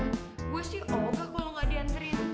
gue sih oka kalo gak diantarin